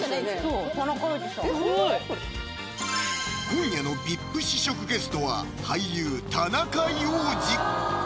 今夜のＶＩＰ試食ゲストは俳優・田中要次